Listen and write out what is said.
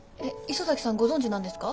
磯崎さんご存じなんですか？